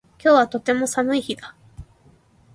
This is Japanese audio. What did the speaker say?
今日はとても寒い日だ